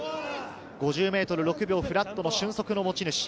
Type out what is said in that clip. ５０メートル６秒フラットの俊足の持ち主。